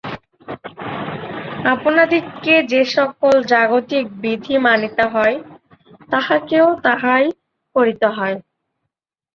আপনাদিগকে যে-সকল জাগতিক বিধি মানিতে হয়, তাঁহাকেও তাহাই করিতে হয়।